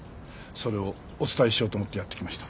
それをお伝えしようと思ってやって来ました。